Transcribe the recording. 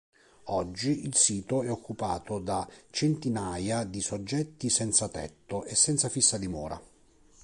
Oggi il sito è occupato da centinaia di soggetti senzatetto e senza fissa dimora.